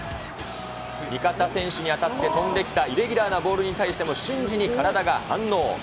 味方選手に当たって、飛んできたイレギュラーのボールに対しても、瞬時に体が反応。